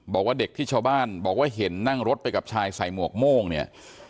บอกว่าเด็กที่ชาวบ้านบอกว่าเห็นนั่งรถไปกับชายใส่หมวกโม่งเนี่ย